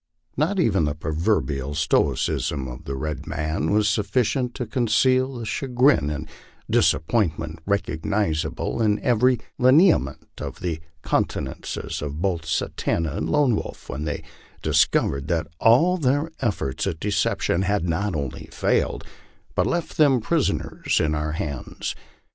NOT even the proverbial stoicism of the red man was sufficient to con ceal the chagrin and disappointment recognizable in every lineament of the countenances of both Satanta and Lone Wolf when they discovered that all their efforts at deception had not only failed, but left them prisoners in our hands.